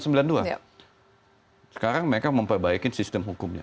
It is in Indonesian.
sekarang mereka memperbaiki sistem hukumnya